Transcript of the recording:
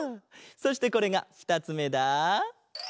そしてこれがふたつめだ。